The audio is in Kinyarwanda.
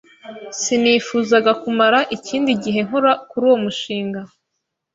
Sinifuzaga kumara ikindi gihe nkora kuri uwo mushinga.